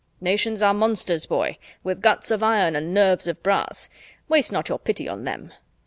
Nations are monsters, boy, with guts of iron and nerves of brass. Waste not your pity on them."